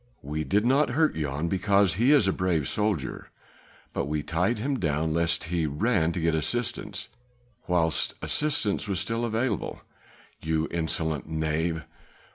We did not hurt Jan because he is a brave soldier, but we tied him down lest he ran to get assistance whilst assistance was still available." "You insolent knave...."